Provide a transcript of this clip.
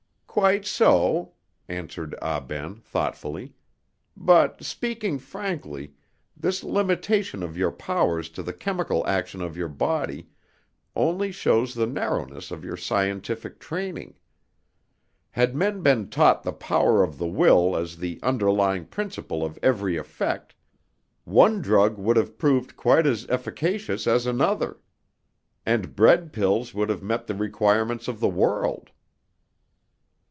"Quite so," answered Ah Ben, thoughtfully, "but, speaking frankly, this limitation of your powers to the chemical action of your body only shows the narrowness of your scientific training. Had men been taught the power of the will as the underlying principle of every effect, one drug would have proved quite as efficacious as another, and bread pills would have met the requirements of the world."